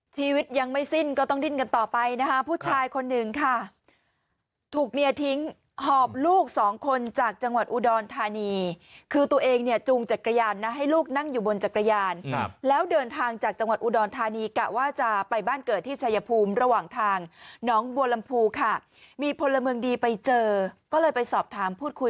ชีวิตยังไม่สิ้นก็ต้องดิ้นกันต่อไปนะคะผู้ชายคนหนึ่งค่ะถูกเมียทิ้งหอบลูกสองคนจากจังหวัดอุดรธานีคือตัวเองเนี่ยจูงจักรยานนะให้ลูกนั่งอยู่บนจักรยานแล้วเดินทางจากจังหวัดอุดรธานีกะว่าจะไปบ้านเกิดที่ชายภูมิระหว่างทางน้องบัวลำพูค่ะมีพลเมืองดีไปเจอก็เลยไปสอบถามพูดคุย